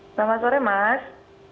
selamat sore mas